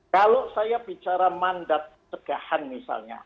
kalau saya bicara mandat cegahan misalnya